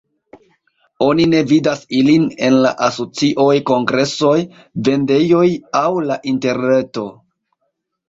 Oni ne vidas ilin en la asocioj, kongresoj, vendejoj aŭ la interreto.